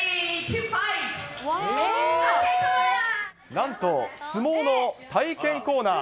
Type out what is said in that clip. なんと、相撲の体験コーナー。